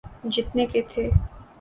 جتنے کے تھے۔